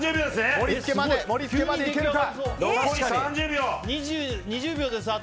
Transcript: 盛り付けまでいけるか。